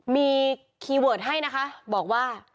มีคีย์เวิร์ดให้นะคะบอกว่า